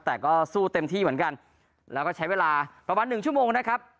แต่ก็สู้เต็มที่เหมือนกันแล้วก็ใช้เวลาประมาณหนึ่งชั่วโมงนะครับ